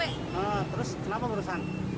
terus kenapa perusahaan